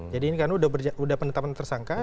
jadi ini kan sudah penetapan tersangka